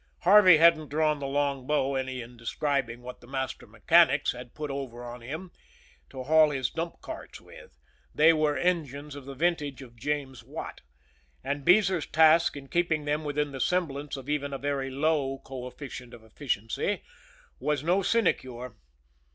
Harvey hadn't drawn the long bow any in describing what the master mechanics had put over on him to haul his dump carts with. They were engines of the vintage of James Watt, and Beezer's task in keeping them within the semblance of even a very low coefficient of efficiency was no sinecure.